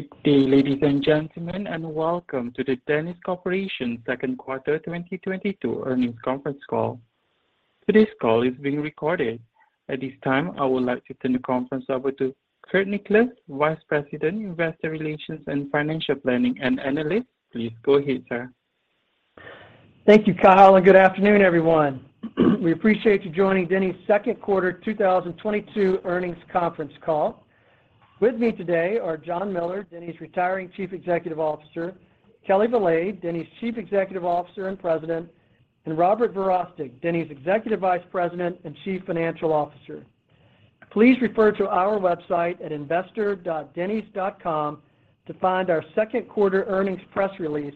Good day, ladies and gentlemen, and welcome to the Denny's Corporation Second Quarter 2022 Earnings Conference Call. Today's call is being recorded. At this time, I would like to turn the conference over to Curt Nichols, Vice President of Investor Relations and Financial Planning & Analysis. Please go ahead, sir. Thank you, Kyle, and good afternoon, everyone. We appreciate you joining Denny's Second Quarter 2022 Earnings Conference Call. With me today are John Miller, Denny's retiring Chief Executive Officer, Kelli Valade, Denny's Chief Executive Officer and President, and Robert Verostek, Denny's Executive Vice President and Chief Financial Officer. Please refer to our website at investor.dennys.com to find our second quarter earnings press release,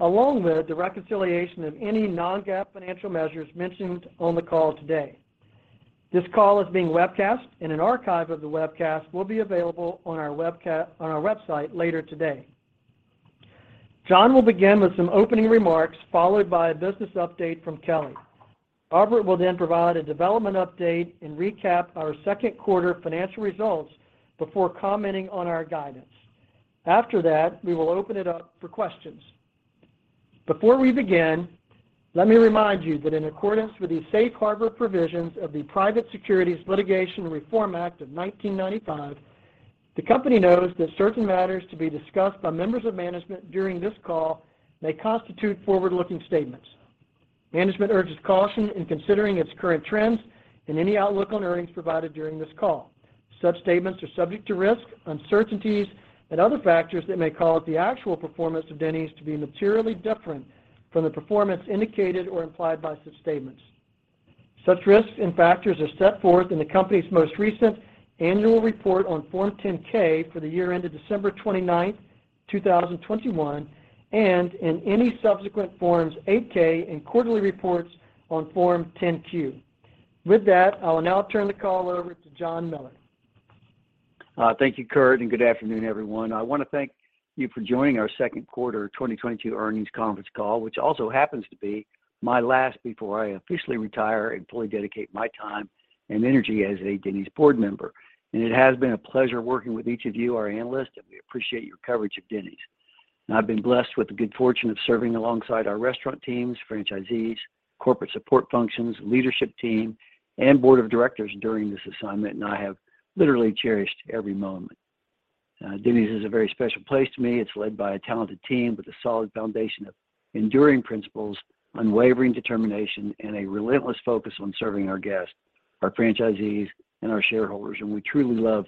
along with the reconciliation of any non-GAAP financial measures mentioned on the call today. This call is being webcast, and an archive of the webcast will be available on our website later today. John will begin with some opening remarks followed by a business update from Kelli. Robert will then provide a development update and recap our second quarter financial results before commenting on our guidance. After that, we will open it up for questions. Before we begin, let me remind you that in accordance with the safe harbor provisions of the Private Securities Litigation Reform Act of 1995, the company knows that certain matters to be discussed by members of management during this call may constitute forward-looking statements. Management urges caution in considering its current trends and any outlook on earnings provided during this call. Such statements are subject to risk, uncertainties, and other factors that may cause the actual performance of Denny's to be materially different from the performance indicated or implied by such statements. Such risks and factors are set forth in the company's most recent annual report on Form 10-K for the year ended December 29, 2021, and in any subsequent Forms 8-K and quarterly reports on Form 10-Q. With that, I will now turn the call over to John Miller. Thank you, Kurt, and good afternoon, everyone. I wanna thank you for joining our Second Quarter 2022 Earnings Conference Call, which also happens to be my last before I officially retire and fully dedicate my time and energy as a Denny's board member. It has been a pleasure working with each of you, our analysts, and we appreciate your coverage of Denny's. I've been blessed with the good fortune of serving alongside our restaurant teams, franchisees, corporate support functions, leadership team, and board of directors during this assignment, and I have literally cherished every moment. Denny's is a very special place to me. It's led by a talented team with a solid foundation of enduring principles, unwavering determination, and a relentless focus on serving our guests, our franchisees, and our shareholders, and we truly love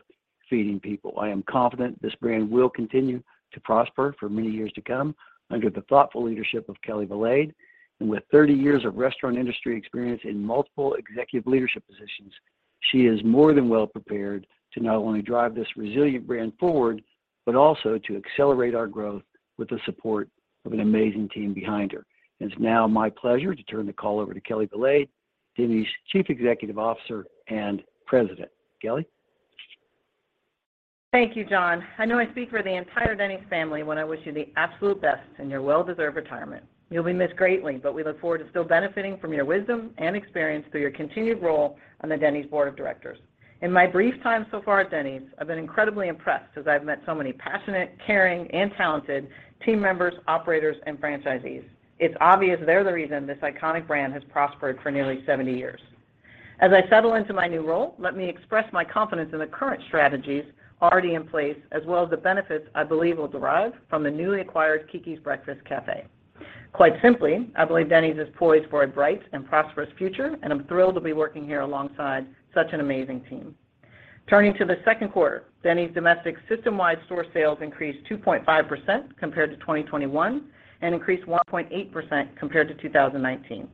feeding people. I am confident this brand will continue to prosper for many years to come under the thoughtful leadership of Kelli Valade. With 30 years of restaurant industry experience in multiple executive leadership positions, she is more than well prepared to not only drive this resilient brand forward, but also to accelerate our growth with the support of an amazing team behind her. It's now my pleasure to turn the call over to Kelli Valade, Denny's Chief Executive Officer and President. Kelli? Thank you, John. I know I speak for the entire Denny's family when I wish you the absolute best in your well-deserved retirement. You'll be missed greatly, but we look forward to still benefiting from your wisdom and experience through your continued role on the Denny's board of directors. In my brief time so far at Denny's, I've been incredibly impressed as I've met so many passionate, caring, and talented team members, operators, and franchisees. It's obvious they're the reason this iconic brand has prospered for nearly 70 years. As I settle into my new role, let me express my confidence in the current strategies already in place, as well as the benefits I believe will derive from the newly acquired Keke's Breakfast Cafe. Quite simply, I believe Denny's is poised for a bright and prosperous future, and I'm thrilled to be working here alongside such an amazing team. Turning to the second quarter, Denny's domestic system-wide store sales increased 2.5% compared to 2021 and increased 1.8% compared to 2019.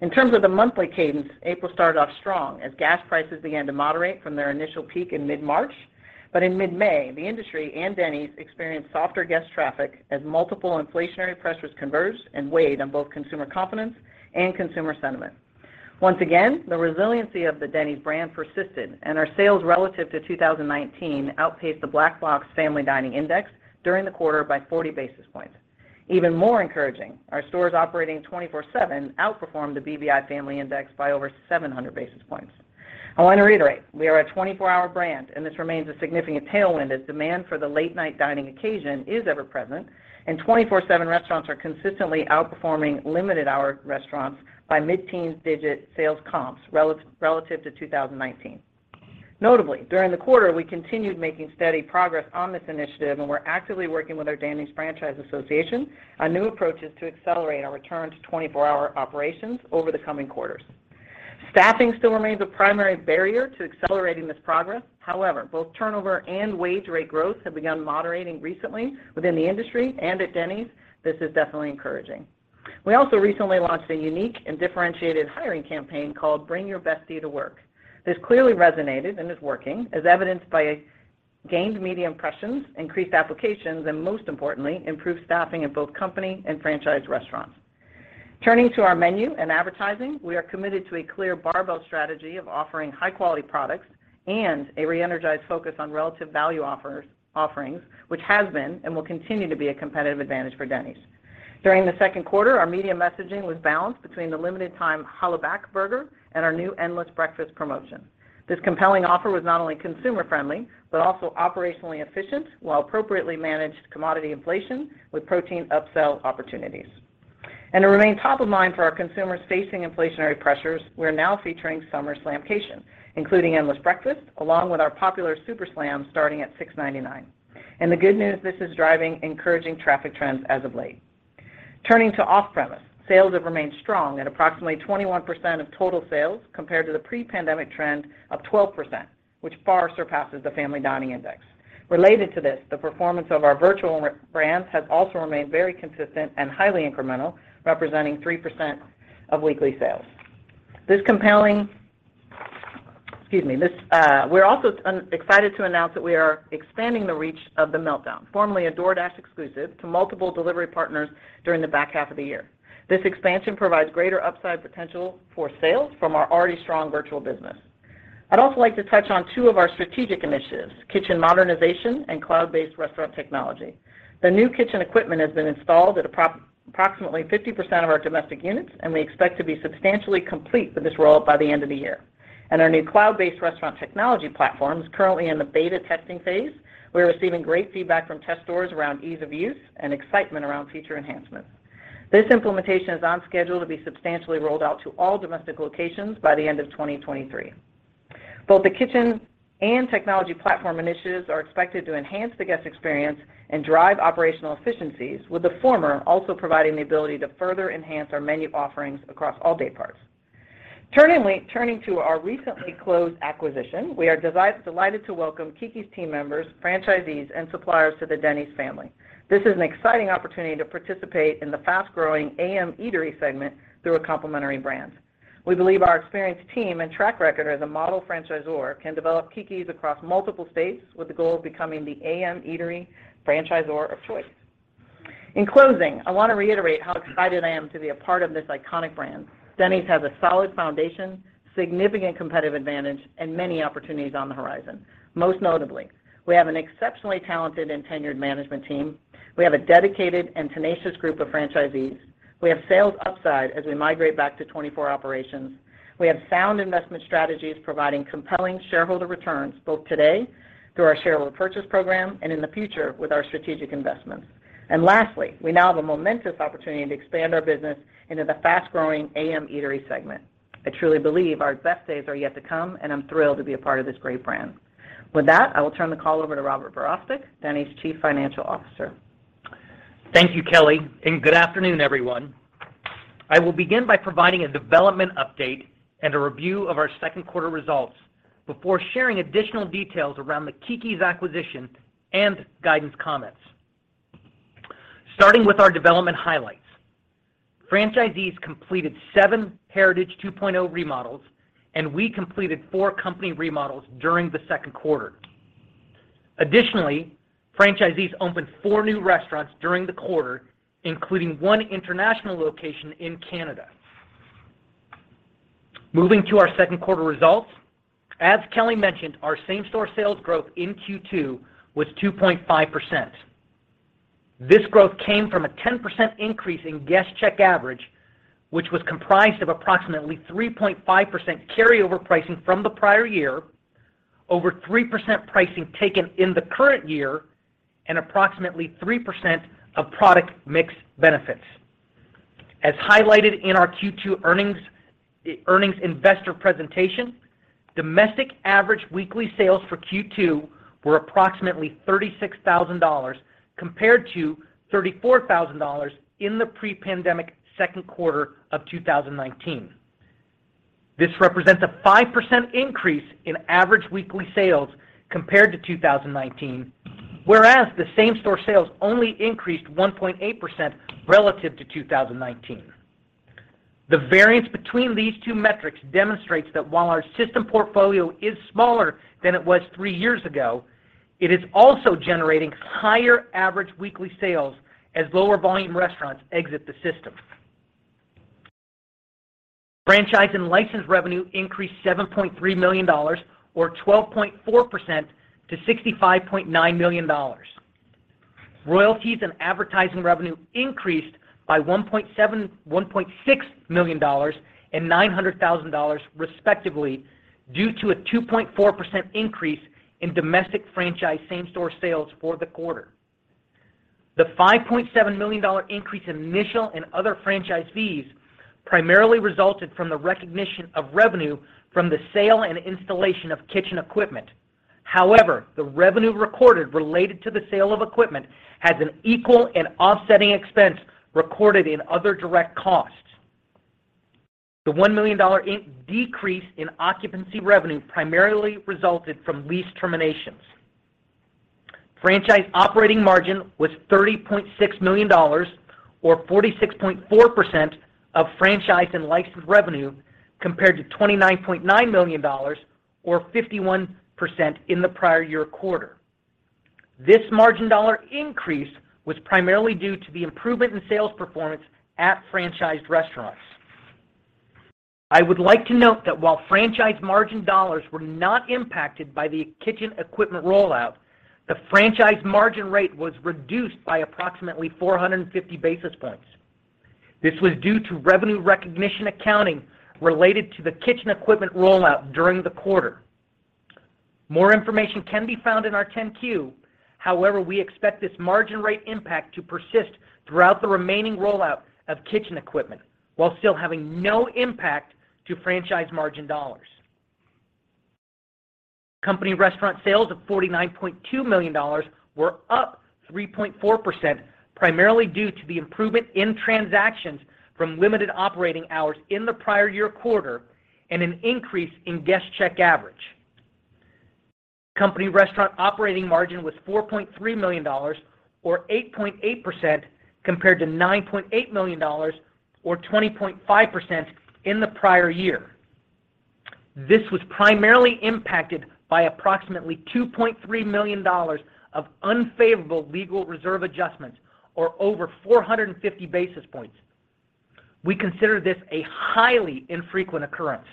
In terms of the monthly cadence, April started off strong as gas prices began to moderate from their initial peak in mid-March. In mid-May, the industry and Denny's experienced softer guest traffic as multiple inflationary pressures converged and weighed on both consumer confidence and consumer sentiment. Once again, the resiliency of the Denny's brand persisted, and our sales relative to 2019 outpaced the Black Box Intelligence Family Dining Index during the quarter by 40 basis points. Even more encouraging, our stores operating 24/7 outperformed the BBI Family Index by over 700 basis points. I want to reiterate, we are a 24-hour brand, and this remains a significant tailwind as demand for the late-night dining occasion is ever present, and 24/7 restaurants are consistently outperforming limited hour restaurants by mid-teens digit sales comps relative to 2019. Notably, during the quarter, we continued making steady progress on this initiative, and we're actively working with our Denny's Franchisee Association on new approaches to accelerate our return to 24-hour operations over the coming quarters. Staffing still remains a primary barrier to accelerating this progress. However, both turnover and wage rate growth have begun moderating recently within the industry and at Denny's. This is definitely encouraging. We also recently launched a unique and differentiated hiring campaign called Bring Your Bestie to Work. This clearly resonated and is working, as evidenced by gained media impressions, increased applications, and most importantly, improved staffing at both company and franchise restaurants. Turning to our menu and advertising, we are committed to a clear barbell strategy of offering high-quality products and a re-energized focus on relative value offerings, which has been and will continue to be a competitive advantage for Denny's. During the second quarter, our media messaging was balanced between the limited-time Hullabaloo Burger and our new endless breakfast promotion. This compelling offer was not only consumer friendly, but also operationally efficient, while appropriately managed commodity inflation with protein upsell opportunities. To remain top of mind for our consumers facing inflationary pressures, we're now featuring Summer Slamcation, including endless breakfast, along with our popular Super Slam starting at $6.99. The good news, this is driving encouraging traffic trends as of late. Turning to off-premise, sales have remained strong at approximately 21% of total sales compared to the pre-pandemic trend of 12%, which far surpasses the Family Dining Index. Related to this, the performance of our virtual brands has also remained very consistent and highly incremental, representing 3% of weekly sales. We're also excited to announce that we are expanding the reach of The Meltdown, formerly a DoorDash exclusive, to multiple delivery partners during the back half of the year. This expansion provides greater upside potential for sales from our already strong virtual business. I'd also like to touch on two of our strategic initiatives, kitchen modernization and cloud-based restaurant technology. The new kitchen equipment has been installed at approximately 50% of our domestic units, and we expect to be substantially complete with this rollout by the end of the year. Our new cloud-based restaurant technology platform is currently in the beta testing phase. We're receiving great feedback from test stores around ease of use and excitement around future enhancements. This implementation is on schedule to be substantially rolled out to all domestic locations by the end of 2023. Both the kitchen and technology platform initiatives are expected to enhance the guest experience and drive operational efficiencies, with the former also providing the ability to further enhance our menu offerings across all day parts. Turning to our recently closed acquisition, we are delighted to welcome Keke's team members, franchisees, and suppliers to the Denny's family. This is an exciting opportunity to participate in the fast-growing AM eatery segment through a complementary brand. We believe our experienced team and track record as a model franchisor can develop Keke's across multiple states with the goal of becoming the A.M. eatery franchisor of choice. In closing, I want to reiterate how excited I am to be a part of this iconic brand. Denny's has a solid foundation, significant competitive advantage, and many opportunities on the horizon. Most notably, we have an exceptionally talented and tenured management team. We have a dedicated and tenacious group of franchisees. We have sales upside as we migrate back to 24/7 operations. We have sound investment strategies providing compelling shareholder returns both today through our share repurchase program and in the future with our strategic investments. Lastly, we now have a momentous opportunity to expand our business into the fast-growing A.M. eatery segment. I truly believe our best days are yet to come, and I'm thrilled to be a part of this great brand. With that, I will turn the call over to Robert Verostek, Denny's Chief Financial Officer. Thank you, Kelli, and good afternoon, everyone. I will begin by providing a development update and a review of our second quarter results before sharing additional details around the Keke's acquisition and guidance comments. Starting with our development highlights, franchisees completed 7 Heritage 2.0 remodels, and we completed 4 company remodels during the second quarter. Additionally, franchisees opened 4 new restaurants during the quarter, including 1 international location in Canada. Moving to our second quarter results, as Kelli mentioned, our same-store sales growth in Q2 was 2.5%. This growth came from a 10% increase in guest check average, which was comprised of approximately 3.5% carryover pricing from the prior year, over 3% pricing taken in the current year, and approximately 3% of product mix benefits. As highlighted in our Q2 earnings investor presentation, domestic average weekly sales for Q2 were approximately $36,000 compared to $34,000 in the pre-pandemic second quarter of 2019. This represents a 5% increase in average weekly sales compared to 2019, whereas the same-store sales only increased 1.8% relative to 2019. The variance between these two metrics demonstrates that while our system portfolio is smaller than it was three years ago, it is also generating higher average weekly sales as lower volume restaurants exit the system. Franchise and license revenue increased $7.3 million or 12.4% to $65.9 million. Royalties and advertising revenue increased by $1.7 million, $1.6 million and $900,000 respectively due to a 2.4% increase in domestic franchise same-store sales for the quarter. The $5.7 million increase in initial and other franchise fees primarily resulted from the recognition of revenue from the sale and installation of kitchen equipment. However, the revenue recorded related to the sale of equipment has an equal and offsetting expense recorded in other direct costs. The $1 million decrease in occupancy revenue primarily resulted from lease terminations. Franchise operating margin was $30.6 million or 46.4% of franchise and license revenue compared to $29.9 million or 51% in the prior year quarter. This margin dollar increase was primarily due to the improvement in sales performance at franchised restaurants. I would like to note that while franchise margin dollars were not impacted by the kitchen equipment rollout, the franchise margin rate was reduced by approximately 450 basis points. This was due to revenue recognition accounting related to the kitchen equipment rollout during the quarter. More information can be found in our 10-Q. However, we expect this margin rate impact to persist throughout the remaining rollout of kitchen equipment, while still having no impact to franchise margin dollars. Company restaurant sales of $49.2 million were up 3.4%, primarily due to the improvement in transactions from limited operating hours in the prior year quarter and an increase in guest check average. Company restaurant operating margin was $4.3 million or 8.8% compared to $9.8 million or 20.5% in the prior year. This was primarily impacted by approximately $2.3 million of unfavorable legal reserve adjustments or over 450 basis points. We consider this a highly infrequent occurrence.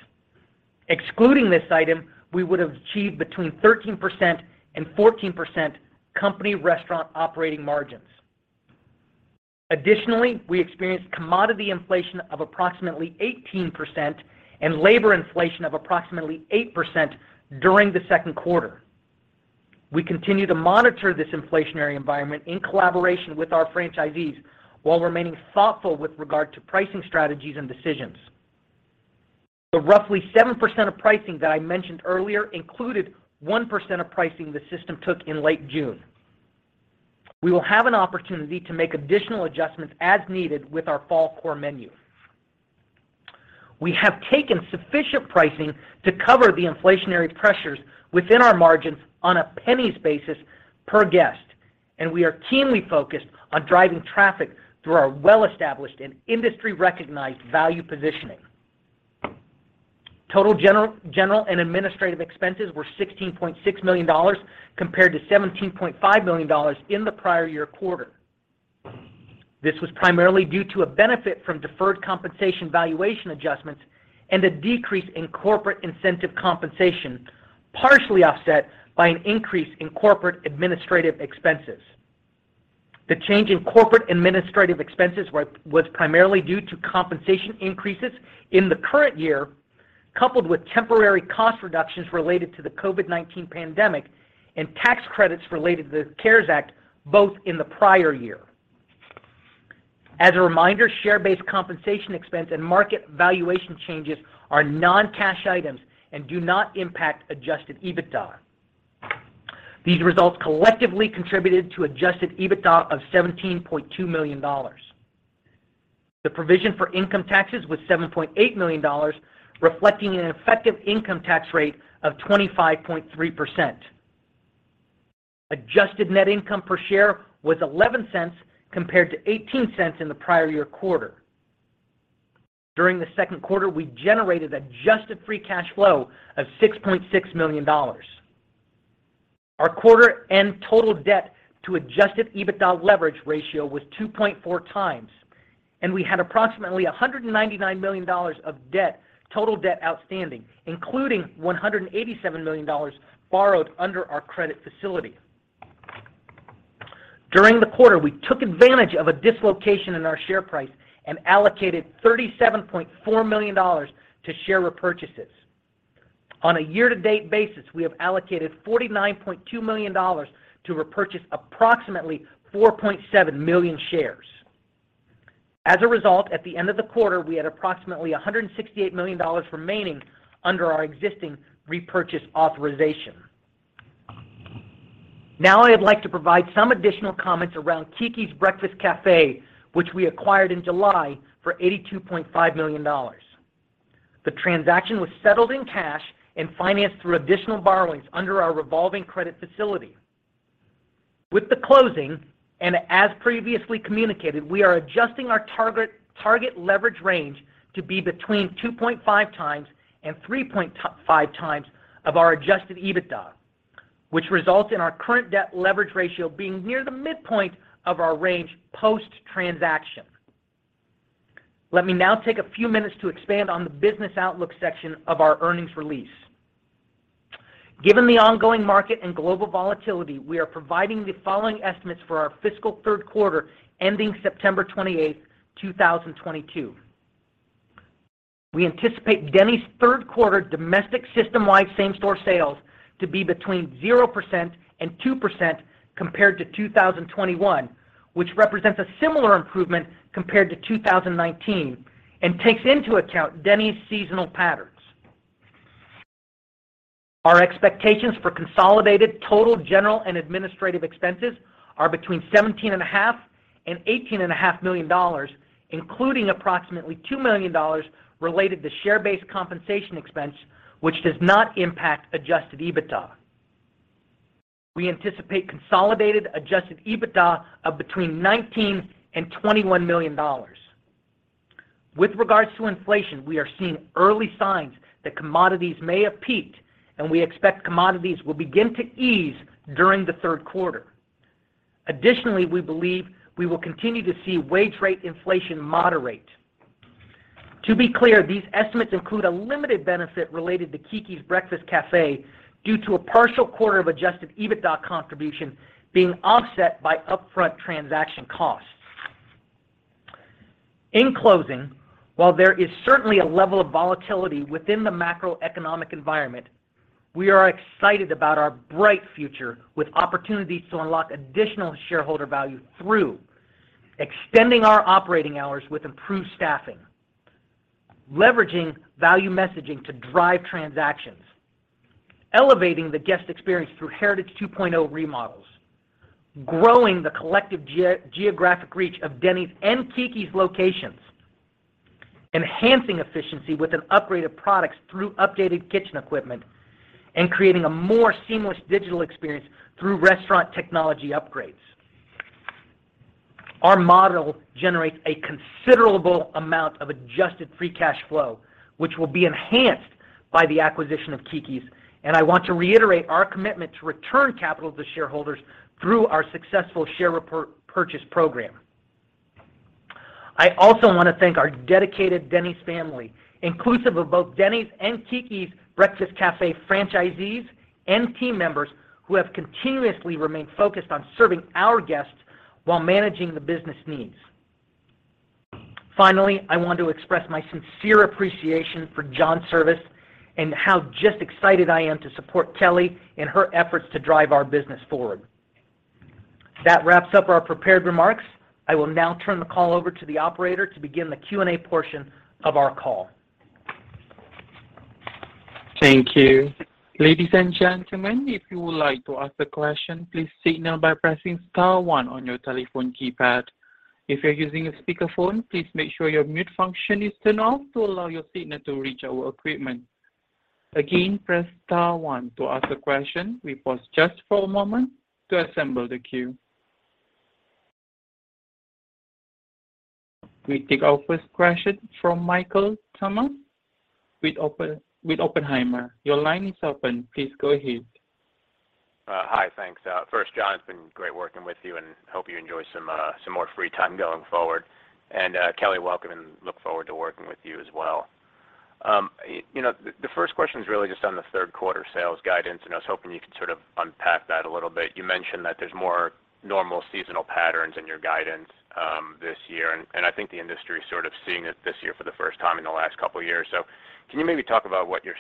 Excluding this item, we would have achieved between 13% and 14% company restaurant operating margins. Additionally, we experienced commodity inflation of approximately 18% and labor inflation of approximately 8% during the second quarter. We continue to monitor this inflationary environment in collaboration with our franchisees while remaining thoughtful with regard to pricing strategies and decisions. The roughly 7% of pricing that I mentioned earlier included 1% of pricing the system took in late June. We will have an opportunity to make additional adjustments as needed with our fall core menu. We have taken sufficient pricing to cover the inflationary pressures within our margins on a pennies basis per guest, and we are keenly focused on driving traffic through our well-established and industry-recognized value positioning. Total general and administrative expenses were $16.6 million compared to $17.5 million in the prior year quarter. This was primarily due to a benefit from deferred compensation valuation adjustments and a decrease in corporate incentive compensation, partially offset by an increase in corporate administrative expenses. The change in corporate administrative expenses was primarily due to compensation increases in the current year, coupled with temporary cost reductions related to the COVID-19 pandemic and tax credits related to the CARES Act, both in the prior year. As a reminder, share-based compensation expense and market valuation changes are non-cash items and do not impact Adjusted EBITDA. These results collectively contributed to Adjusted EBITDA of $17.2 million. The provision for income taxes was $7.8 million, reflecting an effective income tax rate of 25.3%. Adjusted Net Income per share was $0.11 compared to $0.18 in the prior year quarter. During the second quarter, we generated Adjusted Free Cash Flow of $6.6 million. Our quarter-end total debt to Adjusted EBITDA leverage ratio was 2.4x, and we had approximately $199 million of debt, total debt outstanding, including $187 million borrowed under our credit facility. During the quarter, we took advantage of a dislocation in our share price and allocated $37.4 million to share repurchases. On a year-to-date basis, we have allocated $49.2 million to repurchase approximately 4.7 million shares. As a result, at the end of the quarter, we had approximately $168 million remaining under our existing repurchase authorization. Now, I'd like to provide some additional comments around Keke's Breakfast Cafe, which we acquired in July for $82.5 million. The transaction was settled in cash and financed through additional borrowings under our revolving credit facility. With the closing, and as previously communicated, we are adjusting our target leverage range to be between 2.5 times and 3.5 times of our Adjusted EBITDA, which results in our current debt leverage ratio being near the midpoint of our range post-transaction. Let me now take a few minutes to expand on the business outlook section of our earnings release. Given the ongoing market and global volatility, we are providing the following estimates for our fiscal third quarter ending September 28, 2022. We anticipate Denny's third quarter domestic system-wide same-store sales to be between 0% and 2% compared to 2021, which represents a similar improvement compared to 2019 and takes into account Denny's seasonal patterns. Our expectations for consolidated total general and administrative expenses are between $17.5 million and $18.5 million, including approximately $2 million related to share-based compensation expense, which does not impact Adjusted EBITDA. We anticipate consolidated Adjusted EBITDA of between $19 million and $21 million. With regards to inflation, we are seeing early signs that commodities may have peaked, and we expect commodities will begin to ease during the third quarter. Additionally, we believe we will continue to see wage rate inflation moderate. To be clear, these estimates include a limited benefit related to Keke's Breakfast Cafe due to a partial quarter of Adjusted EBITDA contribution being offset by upfront transaction costs. In closing, while there is certainly a level of volatility within the macroeconomic environment, we are excited about our bright future with opportunities to unlock additional shareholder value through extending our operating hours with improved staffing, leveraging value messaging to drive transactions, elevating the guest experience through Heritage 2.0 remodels, growing the collective geographic reach of Denny's and Keke's locations, enhancing efficiency with an upgrade of products through updated kitchen equipment, and creating a more seamless digital experience through restaurant technology upgrades. Our model generates a considerable amount of Adjusted Free Cash Flow, which will be enhanced by the acquisition of Keke's, and I want to reiterate our commitment to return capital to shareholders through our successful share purchase program. I also wanna thank our dedicated Denny's family, inclusive of both Denny's and Keke's Breakfast Cafe franchisees and team members, who have continuously remained focused on serving our guests while managing the business needs. Finally, I want to express my sincere appreciation for John's service and how just excited I am to support Kelli in her efforts to drive our business forward. That wraps up our prepared remarks. I will now turn the call over to the operator to begin the Q&A portion of our call. Thank you. Ladies and gentlemen, if you would like to ask a question, please signal by pressing star 1 on your telephone keypad. If you're using a speakerphone, please make sure your mute function is turned off to allow your signal to reach our equipment. Again, press star 1 to ask a question. We pause just for a moment to assemble the queue. We take our first question from Michael Tamas with Oppenheimer. Your line is open. Please go ahead. Hi. Thanks. First, John, it's been great working with you and hope you enjoy some more free time going forward. Kelli, welcome, and look forward to working with you as well. You know, the first question is really just on the third quarter sales guidance, and I was hoping you could sort of unpack that a little bit. You mentioned that there's more normal seasonal patterns in your guidance this year, and I think the industry's sort of seeing it this year for the first time in the last couple years. Can you maybe talk about what your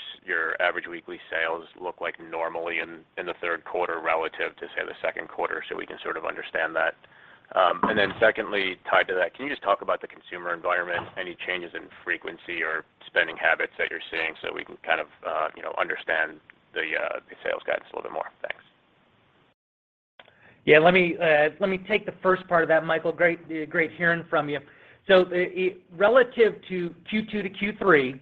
average weekly sales look like normally in the third quarter relative to, say, the second quarter, so we can sort of understand that? And then secondly, tied to that, can you just talk about the consumer environment, any changes in frequency or spending habits that you're seeing so we can kind of, you know, understand the sales guidance a little bit more? Thanks. Yeah. Let me take the first part of that, Michael. Great hearing from you. Relative to Q2 to Q3,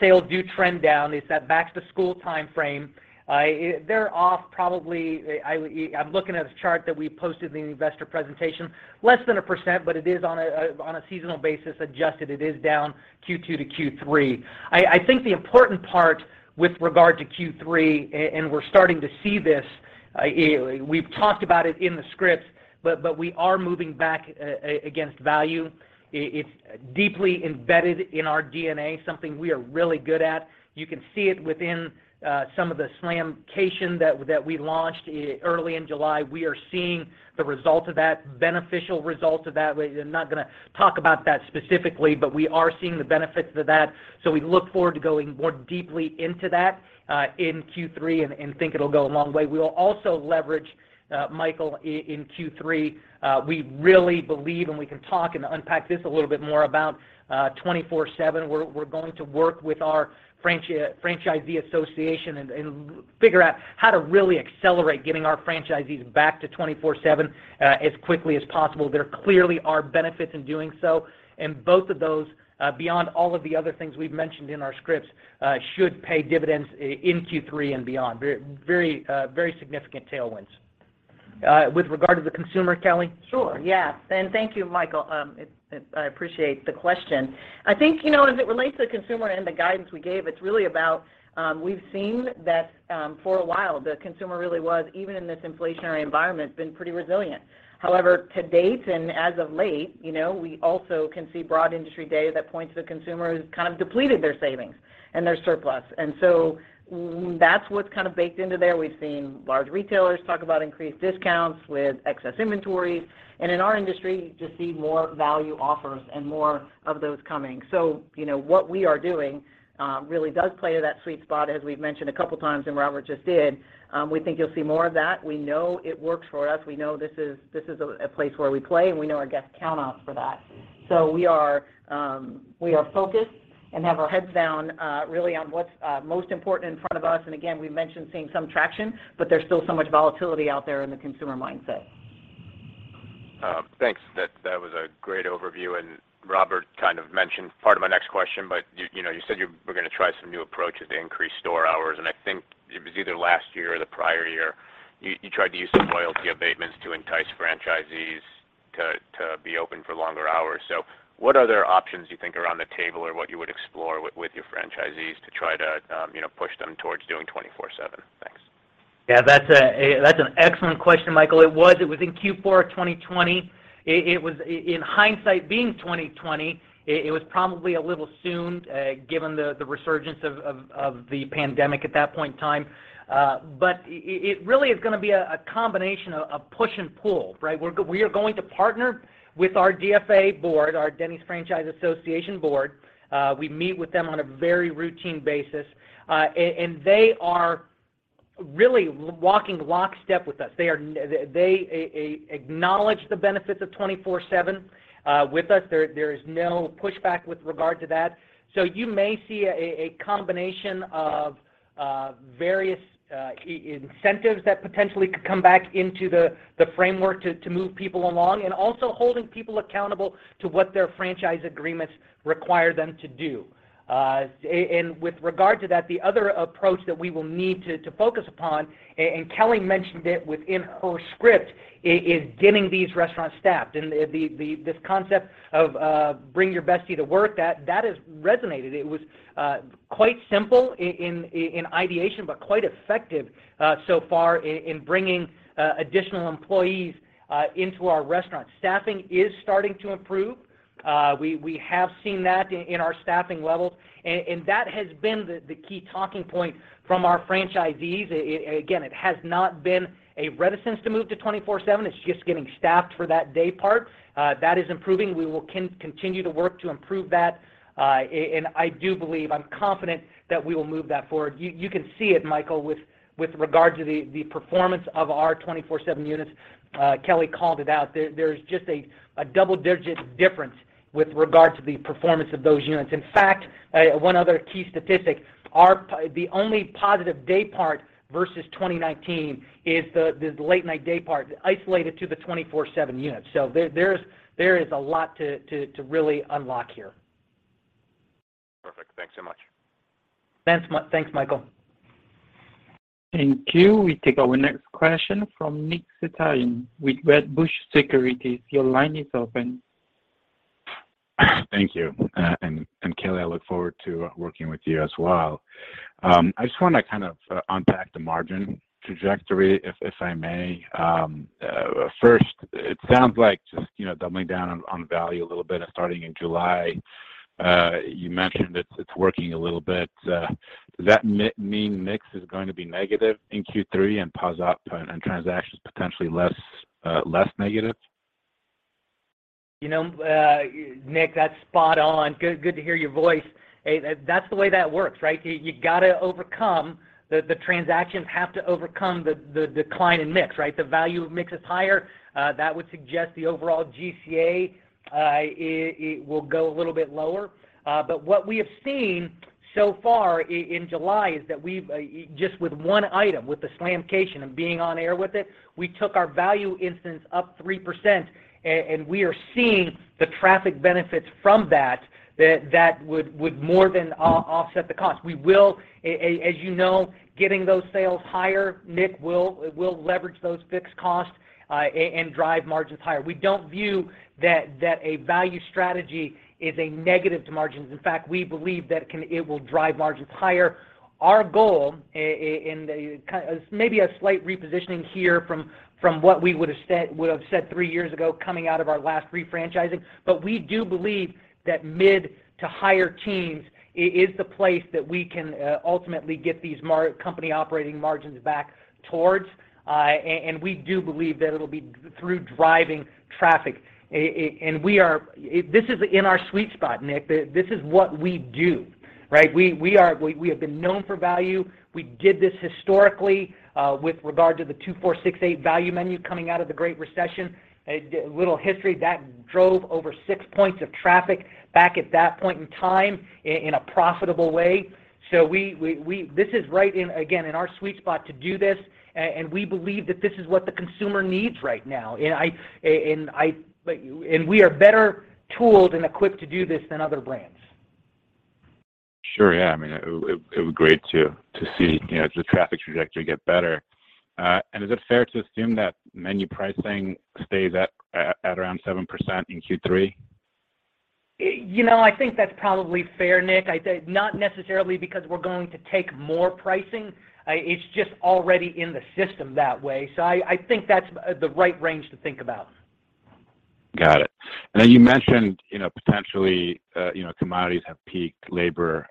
sales do trend down. It's that back-to-school timeframe. They're off probably less than 1%, but it is on a seasonal basis. Adjusted, it is down Q2 to Q3. I think the important part with regard to Q3, and we're starting to see this. We've talked about it in the scripts, but we are moving back towards value. It's deeply embedded in our DNA, something we are really good at. You can see it within some of the Summer Slamcation that we launched early in July. We are seeing the results of that, beneficial results of that. We're not gonna talk about that specifically, but we are seeing the benefits of that, so we look forward to going more deeply into that, in Q3 and think it'll go a long way. We will also leverage, Michael, in Q3. We really believe, and we can talk and unpack this a little bit more about, 24/7. We're going to work with our franchisee association and figure out how to really accelerate getting our franchisees back to 24/7, as quickly as possible. There clearly are benefits in doing so, and both of those, beyond all of the other things we've mentioned in our scripts, should pay dividends in Q3 and beyond. Very significant tailwinds. With regard to the consumer, Kelly? Sure, yeah. Thank you, Michael. I appreciate the question. I think, you know, as it relates to the consumer and the guidance we gave, it's really about, we've seen that, for a while the consumer really was, even in this inflationary environment, been pretty resilient. However, to date, and as of late, you know, we also can see broad industry data that points to consumers kind of depleted their savings and their surplus. That's what's kind of baked into there. We've seen large retailers talk about increased discounts with excess inventories, and in our industry, you just see more value offers and more of those coming. You know, what we are doing really does play to that sweet spot, as we've mentioned a couple times, and Robert just did. We think you'll see more of that. We know it works for us. We know this is a place where we play, and we know our guests count on us for that. We are focused and have our heads down, really on what's most important in front of us. Again, we've mentioned seeing some traction, but there's still so much volatility out there in the consumer mindset. Thanks. That was a great overview. Robert kind of mentioned part of my next question, but you know, you said you were gonna try some new approaches to increase store hours, and I think it was either last year or the prior year, you tried to use some royalty abatements to entice franchisees to be open for longer hours. What other options you think are on the table or what you would explore with your franchisees to try to you know, push them towards doing 24/7? Thanks. That's an excellent question, Michael. It was in Q4 of 2020. It was in hindsight, being 20/20, probably a little soon, given the resurgence of the pandemic at that point in time. It really is gonna be a combination of push and pull, right? We're going to partner with our DFA board, our Denny's Franchisee Association board. We meet with them on a very routine basis. They are really walking lockstep with us. They acknowledge the benefits of 24/7 with us. There is no pushback with regard to that. You may see a combination of various incentives that potentially could come back into the framework to move people along, and also holding people accountable to what their franchise agreements require them to do. With regard to that, the other approach that we will need to focus upon, and Kelli mentioned it within her script, is getting these restaurants staffed. This concept of Bring Your Bestie to Work, that has resonated. It was quite simple in ideation, but quite effective so far in bringing additional employees into our restaurant. Staffing is starting to improve. We have seen that in our staffing levels. That has been the key talking point from our franchisees. Again, it has not been a reticence to move to 24/7. It's just getting staffed for that day part. That is improving. We will continue to work to improve that. And I do believe, I'm confident that we will move that forward. You can see it, Michael, with regard to the performance of our 24/7 units. Kelly called it out. There's just a double-digit difference with regard to the performance of those units. In fact, one other key statistic, the only positive day part versus 2019 is the late night day part isolated to the 24/7 units. There is a lot to really unlock here. Perfect. Thanks so much. Thanks, Michael. Thank you. We take our next question from Nick Setyan with Wedbush Securities. Your line is open. Thank you. Kelli, I look forward to working with you as well. I just wanna kind of unpack the margin trajectory if I may. First it sounds like just, you know, doubling down on the value a little bit and starting in July, you mentioned it's working a little bit. Does that mean mix is going to be negative in Q3 and POS ops and transactions potentially less negative? You know, Nick, that's spot on. Good to hear your voice. That's the way that works, right? You gotta overcome the transactions have to overcome the decline in mix, right? The value of mix is higher. That would suggest the overall GCA it will go a little bit lower. What we have seen so far in July is that we've just with one item, with the Summer Slamcation and being on air with it, we took our value incidence up 3%. We are seeing the traffic benefits from that that would more than offset the cost. As you know, getting those sales higher, Nick, will leverage those fixed costs and drive margins higher. We don't view that a value strategy is a negative to margins. In fact, we believe that it will drive margins higher. Our goal. Maybe a slight repositioning here from what we would've said 3 years ago coming out of our last refranchising, but we do believe that mid- to higher-teens is the place that we can ultimately get these company operating margins back towards. We do believe that it'll be through driving traffic. This is in our sweet spot, Nick. This is what we do, right? We have been known for value. We did this historically with regard to the $2 $4 $6 $8 Value Menu coming out of the Great Recession. A little history, that drove over 6 points of traffic back at that point in time in a profitable way. This is right in, again, in our sweet spot to do this. We believe that this is what the consumer needs right now. We are better tooled and equipped to do this than other brands. Sure. Yeah. I mean, it would be great to see, you know, the traffic trajectory get better. Is it fair to assume that menu pricing stays at around 7% in Q3? You know, I think that's probably fair, Nick. I'd say not necessarily because we're going to take more pricing. It's just already in the system that way. I think that's the right range to think about. Got it. Now, you mentioned, you know, potentially, you know, commodities have peaked, labor,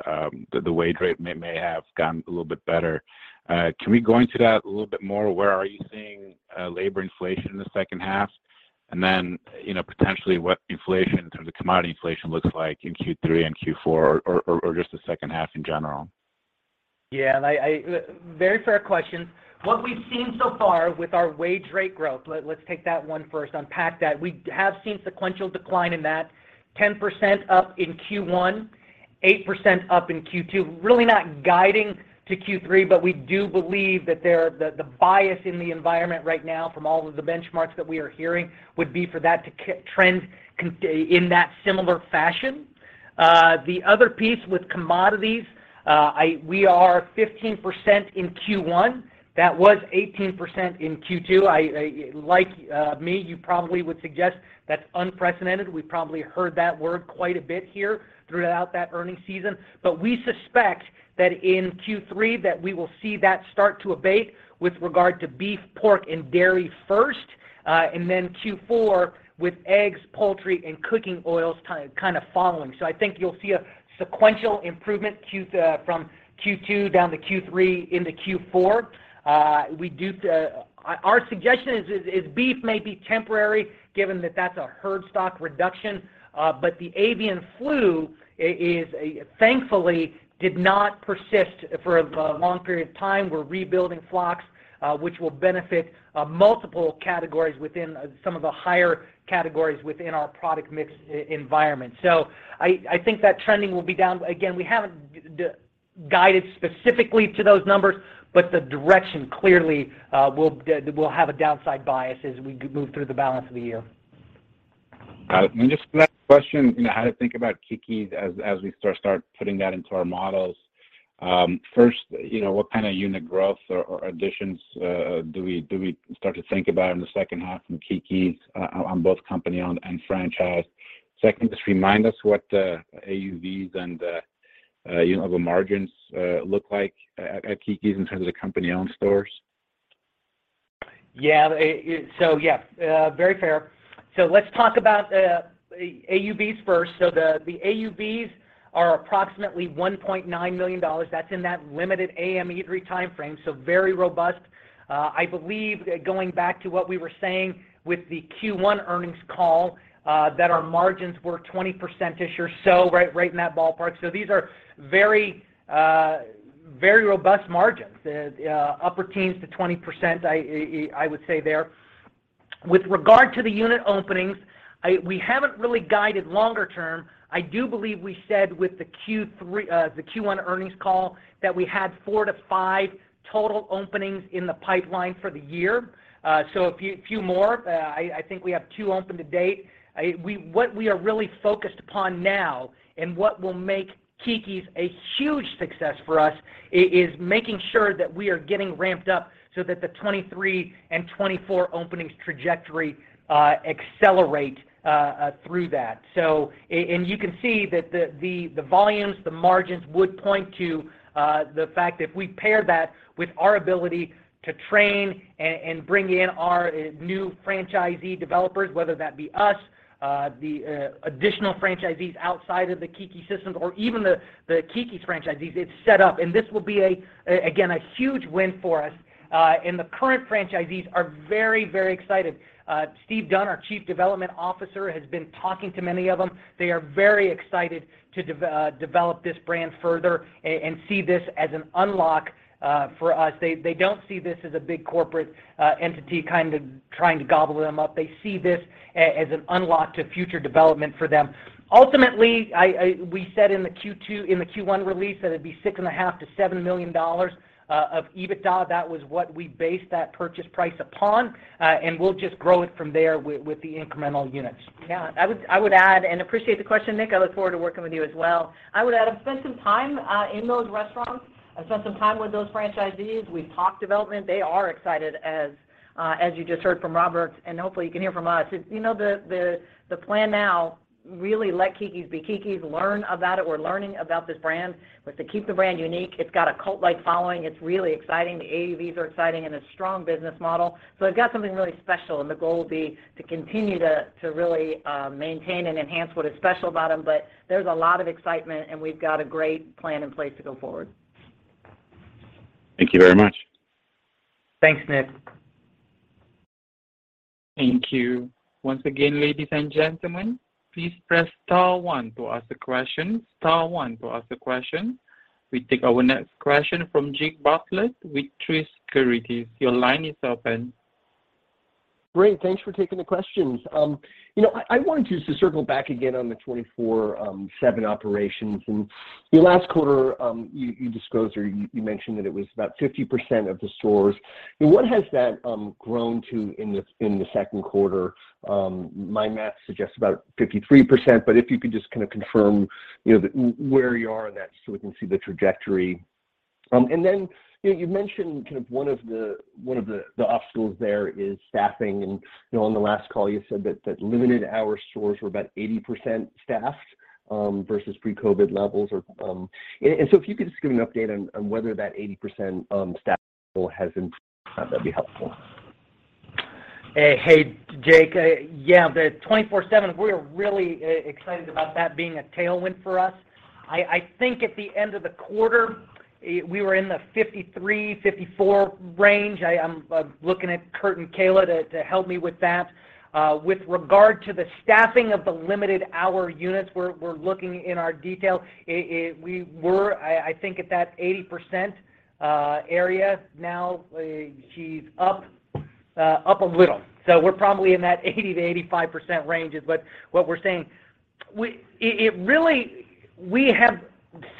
the wage rate may have gotten a little bit better. Can we go into that a little bit more? Where are you seeing, labor inflation in the second half? And then, you know, potentially what inflation or the commodity inflation looks like in Q3 and Q4 or just the second half in general? Very fair questions. What we've seen so far with our wage rate growth, let's take that one first, unpack that. We have seen sequential decline in that. 10% up in Q1, 8% up in Q2. Really not guiding to Q3, but we do believe that the bias in the environment right now from all of the benchmarks that we are hearing would be for that to trend in that similar fashion. The other piece with commodities, we are 15% in Q1. That was 18% in Q2. Like, me, you probably would suggest that's unprecedented. We probably heard that word quite a bit here throughout that earnings season. We suspect that in Q3, we will see that start to abate with regard to beef, pork, and dairy first, and then Q4 with eggs, poultry, and cooking oils kind of following. I think you'll see a sequential improvement from Q2 down to Q3 into Q4. Our suggestion is beef may be temporary given that that's a herd stock reduction, but the avian flu thankfully did not persist for a long period of time. We're rebuilding flocks, which will benefit multiple categories within some of the higher categories within our product mix environment. I think that trending will be down. Again, we haven't guided specifically to those numbers, but the direction clearly will have a downside bias as we move through the balance of the year. All right. Just last question, you know, how to think about Keke's as we start putting that into our models. First, you know, what kind of unit growth or additions do we start to think about in the second half from Keke's on both company-owned and franchise? Second, just remind us what AUVs and unit level margins look like at Keke's in terms of the company-owned stores. Very fair. Let's talk about AUVs first. The AUVs are approximately $1.9 million. That's in that limited AM eatery timeframe, very robust. I believe that going back to what we were saying with the Q1 earnings call, that our margins were 20%-ish or so in that ballpark. These are very robust margins. Upper teens to 20%, I would say there. With regard to the unit openings, we haven't really guided longer term. I do believe we said with the Q1 earnings call that we had 4-5 total openings in the pipeline for the year. A few more. I think we have two open to date. What we are really focused upon now and what will make Keke's a huge success for us is making sure that we are getting ramped up so that the 2023 and 2024 openings trajectory accelerate through that. You can see that the volumes, the margins would point to the fact if we pair that with our ability to train and bring in our new franchisee developers, whether that be us, the additional franchisees outside of the Keke systems or even the Keke's franchisees, it's set up, and this will be, again, a huge win for us. The current franchisees are very excited. Steve Dunn, our Chief Development Officer, has been talking to many of them. They are very excited to develop this brand further and see this as an unlock for us. They don't see this as a big corporate entity kind of trying to gobble them up. They see this as an unlock to future development for them. Ultimately, we said in the Q1 release that it'd be $6.5-$7 million of EBITDA. That was what we based that purchase price upon, and we'll just grow it from there with the incremental units. Yeah. I would add and appreciate the question, Nick. I look forward to working with you as well. I would add, I've spent some time in those restaurants. I've spent some time with those franchisees. We've talked development. They are excited as you just heard from Robert, and hopefully you can hear from us. You know, the plan now, really let Keke's be Keke's. Learn about it. We're learning about this brand. To keep the brand unique. It's got a cult-like following. It's really exciting. The AUVs are exciting, and a strong business model. They've got something really special, and the goal will be to continue to really maintain and enhance what is special about them. There's a lot of excitement, and we've got a great plan in place to go forward. Thank you very much. Thanks, Nick. Thank you. Once again, ladies and gentlemen, please press star 1 to ask a question. Star 1 to ask a question. We take our next question from Jake Bartlett with Truist Securities. Your line is open. Great. Thanks for taking the questions. You know, I wanted just to circle back again on the 24/7 operations. In your last quarter, you disclosed or you mentioned that it was about 50% of the stores. You know, what has that grown to in the second quarter? My math suggests about 53%, but if you could just kinda confirm, you know, where you are in that so we can see the trajectory. You know, you've mentioned kind of one of the obstacles there is staffing. You know, on the last call, you said that limited-hour stores were about 80% staffed versus pre-COVID levels or. If you could just give an update on whether that 80% staff level has improved, that'd be helpful. Hey, Jake. Yeah, the 24/7, we're really excited about that being a tailwind for us. I think at the end of the quarter, we were in the 53-54 range. Looking at Kurt and Kayla to help me with that. With regard to the staffing of the limited hour units, we're looking in our data. We were, I think, at that 80% area. Now, she's up a little. So we're probably in that 80%-85% range is what we're saying.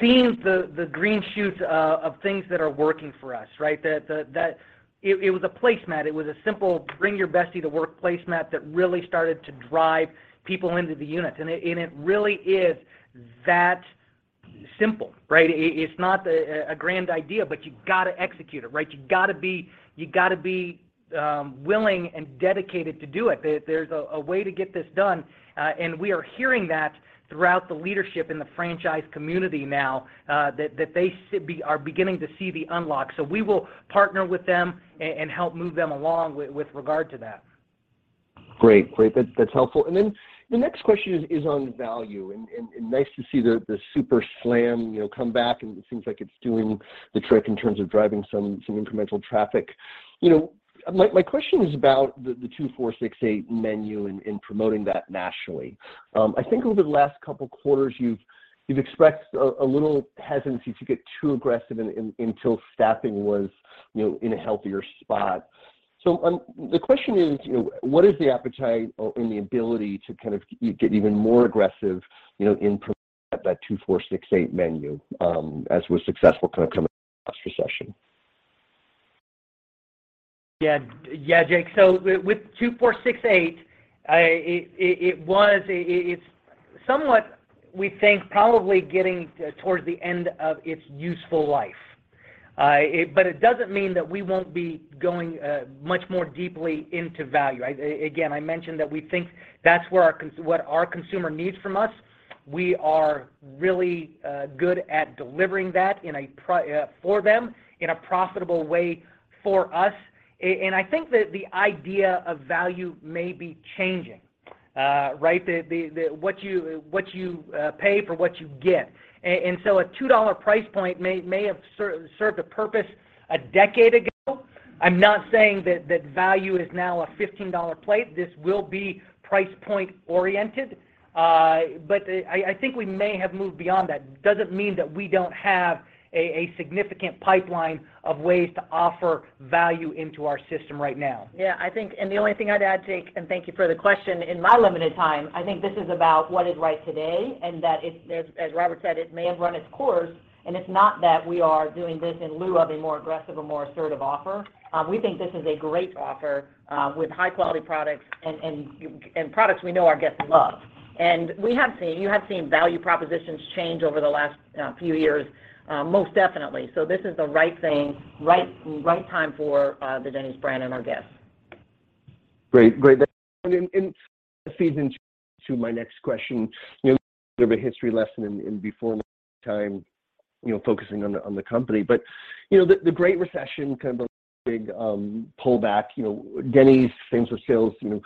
We're seeing the green shoots of things that are working for us, right? That it was a placemat. It was a simple Bring Your Bestie to Work placemat that really started to drive people into the units, and it really is that simple, right? It's not a grand idea, but you gotta execute it, right? You gotta be willing and dedicated to do it. There's a way to get this done, and we are hearing that throughout the leadership in the franchise community now, that they are beginning to see the unlock. We will partner with them and help move them along with regard to that. Great. That's helpful. The next question is on value and nice to see the Super Slam, you know, come back and it seems like it's doing the trick in terms of driving some incremental traffic. You know, my question is about the $2 $4 $6 $8 Value Menu and promoting that nationally. I think over the last couple quarters you've expressed a little hesitancy to get too aggressive until staffing was, you know, in a healthier spot. The question is, you know, what is the appetite or and the ability to kind of get even more aggressive, you know, in promoting that $2 $4 $6 $8 Value Menu, as was successful kind of coming out of the last recession. Yeah. Yeah, Jake. With $2 $4 $6 $8 Value Menu it's somewhat we think probably getting towards the end of its useful life. It doesn't mean that we won't be going much more deeply into value. Again, I mentioned that we think that's where what our consumer needs from us. We are really good at delivering that for them, in a profitable way for us. I think that the idea of value may be changing, right? The what you pay for what you get. A $2 price point may have served a purpose a decade ago. I'm not saying that value is now a $15 plate. This will be price point oriented. I think we may have moved beyond that. Doesn't mean that we don't have a significant pipeline of ways to offer value into our system right now. Yeah, I think the only thing I'd add, Jake, and thank you for the question. In my limited time, I think this is about what is right today and that it's, as Robert said, it may have run its course and it's not that we are doing this in lieu of a more aggressive offer. We think this is a great offer with high quality products and products we know our guests love. We have seen, you have seen value propositions change over the last few years, most definitely. This is the right thing, right time for the Denny's brand and our guests. Great. That feeds into my next question, you know, bit of a history lesson and before tying, you know, focusing on the company. But you know the Great Recession, kind of a big pullback, you know, Denny's same-store sales, you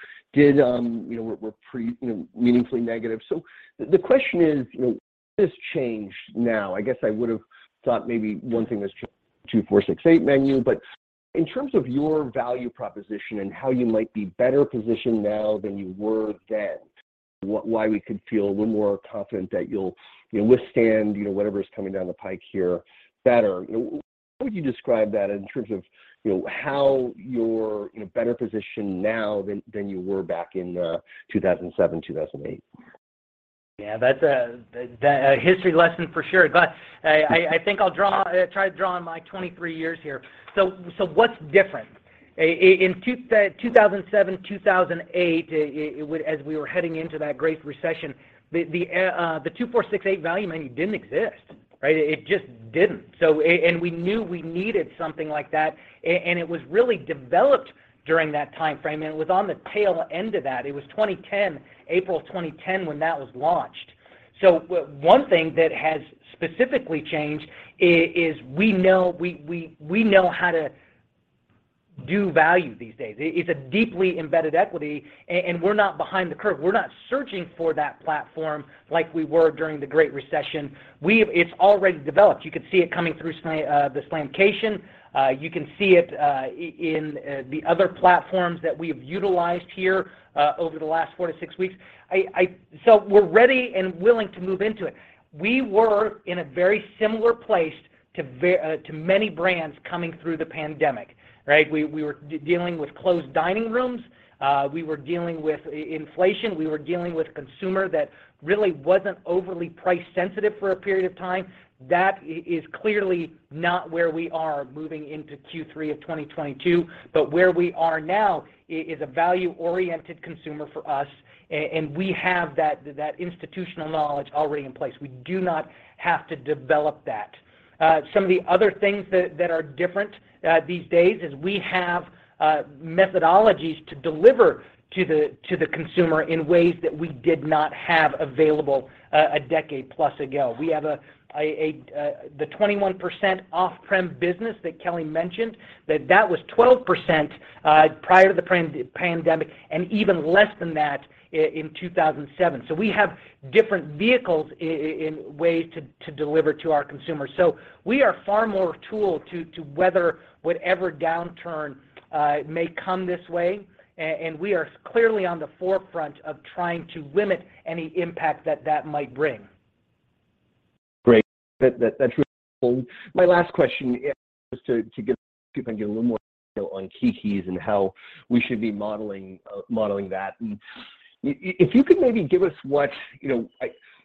know, were pretty meaningfully negative. So the question is, you know, what has changed now? I guess I would've thought maybe one thing was $2 $4 $6 $8 Value Menu, but in terms of your value proposition and how you might be better positioned now than you were then, why we could feel a little more confident that you'll, you know, withstand, you know, whatever's coming down the pike here better. You know, how would you describe that in terms of, you know, how you're in a better position now than you were back in 2007, 2008? Yeah, that's a history lesson for sure. I think I'll try to draw on my 23 years here. What's different? In 2007, 2008, it was as we were heading into that Great Recession, the $2 $4 $6 $8 Value Menu didn't exist, right? It just didn't. We knew we needed something like that. It was really developed during that timeframe, and it was on the tail end of that. It was April 2010 when that was launched. One thing that has specifically changed is we know how to do value these days. It's a deeply embedded equity, and we're not behind the curve. We're not searching for that platform like we were during the Great Recession. It's already developed. You can see it coming through the Slamcation. You can see it in the other platforms that we have utilized here over the last 4-6 weeks. We're ready and willing to move into it. We were in a very similar place to many brands coming through the pandemic, right? We were dealing with closed dining rooms. We were dealing with inflation. We were dealing with a consumer that really wasn't overly price sensitive for a period of time. That is clearly not where we are moving into Q3 of 2022. Where we are now is a value oriented consumer for us, and we have that institutional knowledge already in place. We do not have to develop that. Some of the other things that are different these days is we have methodologies to deliver to the consumer in ways that we did not have available a decade plus ago. We have the 21% off-prem business that Kelly mentioned, that was 12% prior to the pre-pandemic and even less than that in 2007. We have different vehicles in ways to deliver to our consumers. We are far more tooled to weather whatever downturn may come this way, and we are clearly on the forefront of trying to limit any impact that might bring. Great. That's really helpful. My last question to see if I can get a little more. You know, on Keke's and how we should be modeling that. If you could maybe give us what. You know,